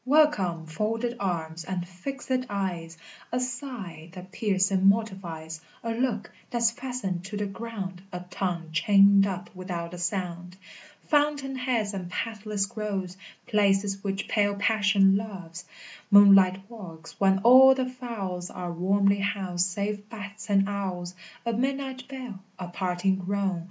Welcome, folded arms, and fixèd eyes, A sigh that piercing mortifies, A look that's fastened to the ground, A tongue chained up without a sound! Fountain heads and pathless groves, Places which pale passion loves! Moonlight walks, when all the fowls Are warmly housed save bats and owls! A midnight bell, a parting groan!